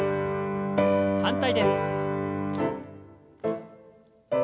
反対です。